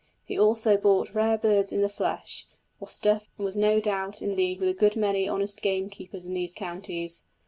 He also bought rare birds in the flesh, or stuffed, and was no doubt in league with a good many honest gamekeepers in those counties.